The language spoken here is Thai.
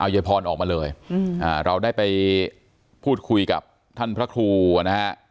ยายพรออกมาเลยเราได้ไปพูดคุยกับท่านพระครูนะฮะ